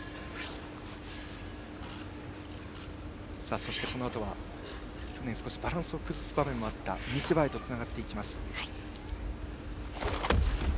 そして去年バランスを崩す場面もあった見せ場へとつながっていきます。